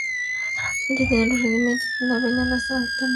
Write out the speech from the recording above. Generalmente tienen los rudimentos de una vena en las alas anteriores.